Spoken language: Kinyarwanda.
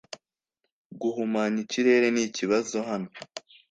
Guhumanya ikirere nikibazo hano